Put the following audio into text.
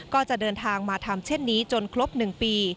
ก็จะเดินทางมาทำเช่นนี้จนครบ๑ปี